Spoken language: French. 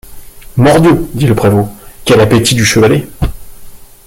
Mort-Dieu! dit le prévôt, quel appétit du chevalet !